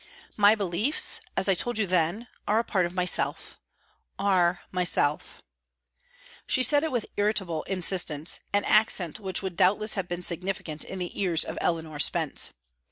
"My beliefs, as I told you then, are a part of myself are myself." She said it with irritable insistence an accent which would doubtless have been significant in the ears of Eleanor Spence.